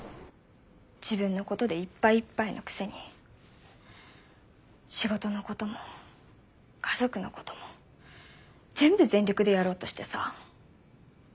自分のことでいっぱいいっぱいのくせに仕事のことも家族のことも全部全力でやろうとしてさ。